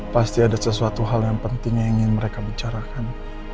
pasti ada sesuatu hal yang penting yang ingin mereka bicarakan